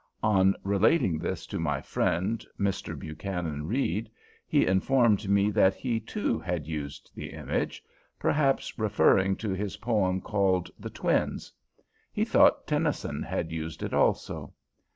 On relating this to my friend Mr. Buchanan Read, he informed me that he too, had used the image, perhaps referring to his poem called "The Twins." He thought Tennyson had used it also.